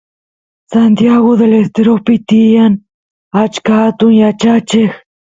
Santiagu Del Esteropi tiyan achka atun yachacheq